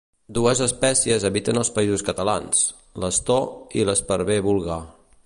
Dues espècies habiten als Països Catalans, l'astor i l'esparver vulgar.